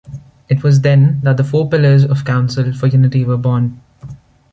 It was then that the Four Pillars of Council for Unity were born.